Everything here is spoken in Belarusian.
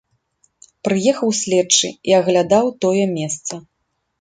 Прыехаў следчы і аглядаў тое месца.